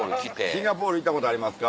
「シンガポール行ったことありますか？」